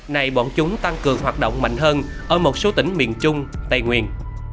này bọn chúng tăng cường hoạt động mạnh hơn ở một số tỉnh miền trung tây nguyên